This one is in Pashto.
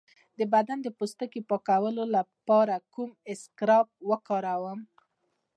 د بدن د پوستکي د پاکولو لپاره کوم اسکراب وکاروم؟